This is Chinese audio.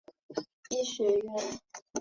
普赖萨。